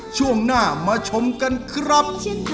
ช่วงหน้ามาชมกันครับ